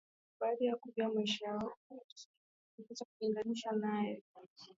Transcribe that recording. Baada ya kujua maisha ya Yesu tunapaswa kujilinganisha naye